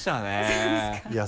そうですか？